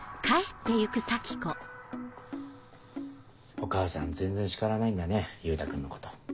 お母さん全然叱らないんだね優太君のこと。